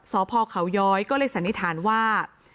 สพเขาย้อยก็เลยสันนิษฐานว่า